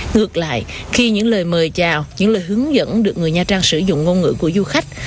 ngược lại khi những lời mời chào những lời hướng dẫn được người nha trang sử dụng ngôn ngữ của du khách